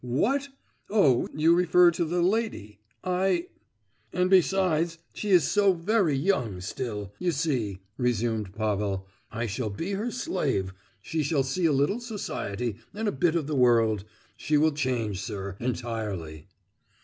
"What? Oh, you refer to the lady. I——" "And, besides, she is so very young still, you see," resumed Pavel. "I shall be her slave—she shall see a little society, and a bit of the world. She will change, sir, entirely."